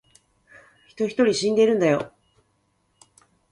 人一人死んでるんだよ